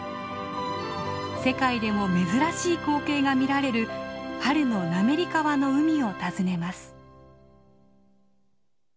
世界でも珍しい光景が見られる春の滑川の海を訪ねます。